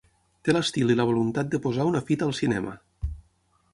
Té l'estil i la voluntat de posar una fita al cinema.